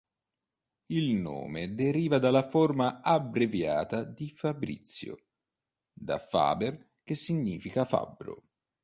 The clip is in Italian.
Il nome deriva dalla forma abbreviata di Fabrizio, da faber che significa fabbro.